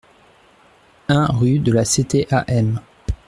un rUE DE LA CTAM